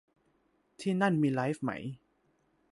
ที่นั่นมีไลฟ์ไหม